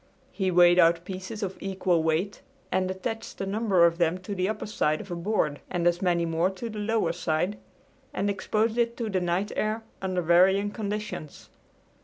He weighed out pieces of equal weight and attached a number of them to the upper side of a board and as many more to the lower side, and exposed it to the night air under varying conditions.